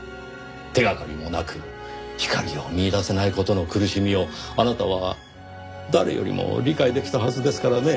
手掛かりもなく光を見いだせない事の苦しみをあなたは誰よりも理解できたはずですからね。